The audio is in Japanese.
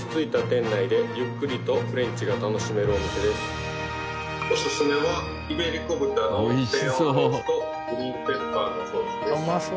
おすすめはイベリコ豚の低温ローストグリーンペッパーのソースです。